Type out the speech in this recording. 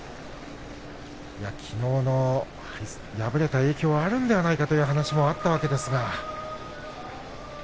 きのうの敗れた影響があるんじゃないかという話もあったわけですが。